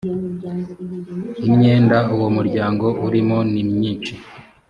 imyenda uwo muryango urimo nimwinshi